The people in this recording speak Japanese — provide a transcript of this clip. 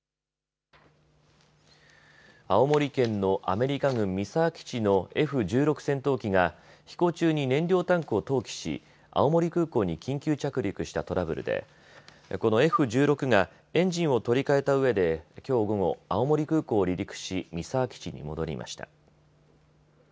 青森県のアメリカ軍三沢基地のＦ１６戦闘機が飛行中に燃料タンクを投棄し青森空港に緊急着陸したトラブルでこのＦ１６がエンジンを取り替えたうえできょう午後、青森空港を離陸し三沢基地に戻りました。